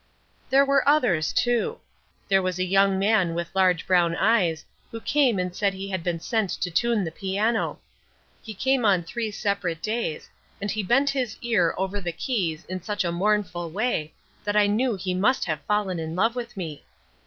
There were others too. There was a young man with large brown eyes who came and said he had been sent to tune the piano. He came on three separate days, and he bent his ear over the keys in such a mournful way that I knew he must have fallen in love with me.